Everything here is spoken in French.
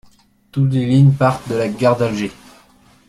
Toutes les lignes partent de la gare d'Alger.